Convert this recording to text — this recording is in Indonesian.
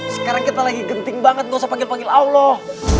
sekarang kita lagi genting banget gak usah panggil panggil allah